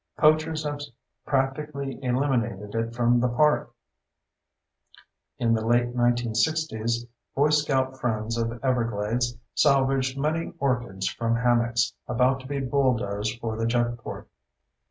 Poachers have practically eliminated it from the park. In the late 1960s Boy Scout friends of Everglades salvaged many orchids from hammocks about to be bulldozed for the jetport.